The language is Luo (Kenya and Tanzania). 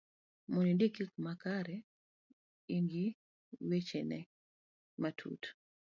mondo indik gik makare,i ng'i weche te matut